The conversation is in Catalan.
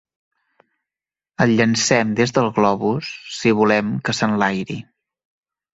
El llancem des del globus si volem que s'enlairi.